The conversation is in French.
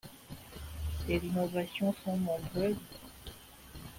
Ses innovations sont nombreuses.